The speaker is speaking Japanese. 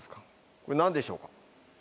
これ何でしょうか？